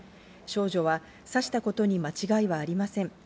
少女は刺したことに間違いはありません。